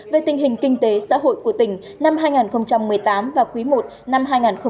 về tình hình kinh tế xã hội của tỉnh năm hai nghìn một mươi tám và quý i năm hai nghìn một mươi chín